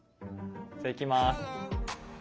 じゃいきます。